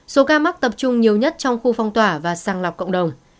số ca mắc tập trung nhiều nhất trong khu phong tỏa và sàng lọc cộng đồng